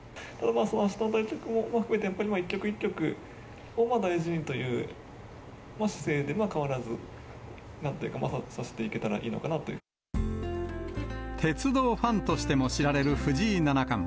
あしたの対局も含めて、やっぱり一局一局、大事にという姿勢で、変わらず、なんというか、鉄道ファンとしても知られる藤井七冠。